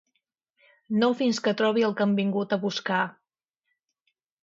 No fins que trobi el que han vingut a buscar.